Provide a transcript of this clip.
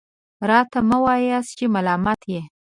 راته مه وایاست چې ملامت یې .